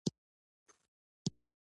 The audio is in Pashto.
مېوې د افغانستان د بڼوالۍ برخه ده.